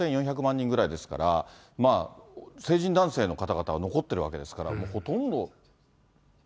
４４００万人ぐらいですから、成人男性の方々は残っているわけですから、ほとんど。